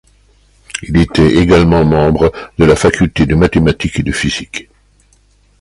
Il était également membre de la Faculté de mathématiques et de physique.